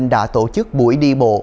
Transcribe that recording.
đã tổ chức buổi đi bộ